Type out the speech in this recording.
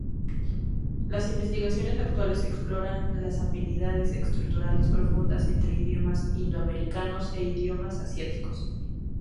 Las investigaciones actuales exploran las afinidades estructurales profundas entre idiomas indo-americanos e idiomas asiáticos.